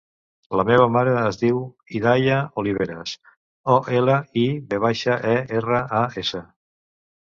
La meva mare es diu Hidaya Oliveras: o, ela, i, ve baixa, e, erra, a, essa.